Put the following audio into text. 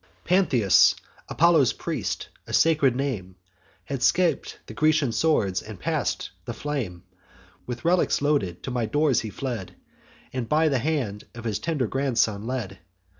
"Pantheus, Apollo's priest, a sacred name, Had scap'd the Grecian swords, and pass'd the flame: With relics loaden, to my doors he fled, And by the hand his tender grandson led.